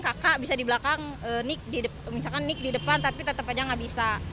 kakak bisa di belakang misalkan nik di depan tapi tetap saja tidak bisa